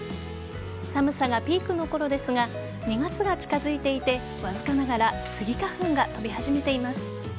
寒さがピークの頃ですが２月が近づいていてわずかながらスギ花粉が飛び始めています。